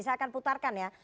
saya akan putarkan ya